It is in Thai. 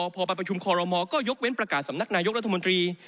พอไปประชุมคอรมอลก็ยกเว้นประกาศสำนักนายกรัฐมนตรี